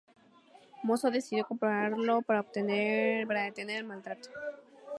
Mozo decidió comprarlo para detener el maltrato.